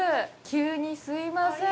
急にすいません。